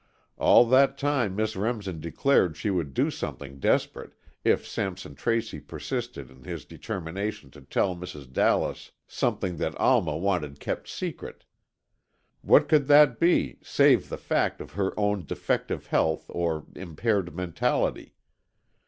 At that time Miss Remsen declared she would do something desperate, if Sampson Tracy persisted in his determination to tell Mrs. Dallas something that Alma wanted kept secret. What could that be, save the fact of her own defective health, or impaired mentality?